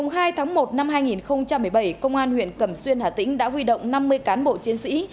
ngày hai tháng một năm hai nghìn một mươi bảy công an huyện cẩm xuyên hà tĩnh đã huy động năm mươi cán bộ chiến sĩ